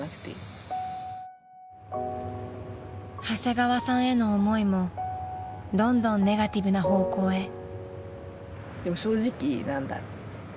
［長谷川さんへの思いもどんどんネガティブな方向へ］